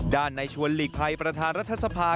ด้านในชวนหลีกไพรประธารรัฐสภา